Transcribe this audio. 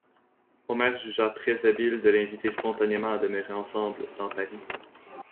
Omer jugea très habile de l'inviter spontanément à demeurer ensemble, dans Paris.